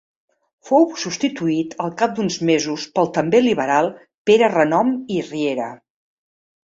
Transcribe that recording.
Fou substituït al cap d'uns mesos pel també liberal Pere Renom i Riera.